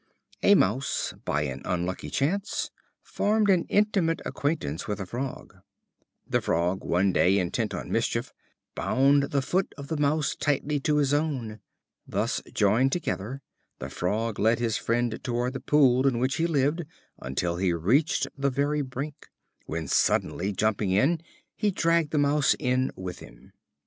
A Mouse, by an unlucky chance, formed an intimate acquaintance with a Frog. The Frog one day, intent on mischief, bound the foot of the Mouse tightly to his own. Thus joined together, the Frog led his friend toward the pool in which he lived, until he reached the very brink, when suddenly jumping in, he dragged the Mouse in with him.